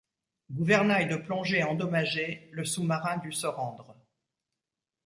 Gouvernail de plongée endommagé, le sous-marin dut se rendre.